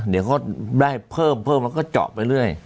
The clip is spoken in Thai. เดี๋ยวก็ได้เพิ่มแล้วก็เจาะไปเรื่อย